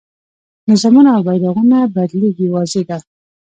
نظامونه او بیرغونه بدلېږي واضح ده.